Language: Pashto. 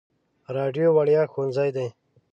راډیو وړیا ښوونځی دی.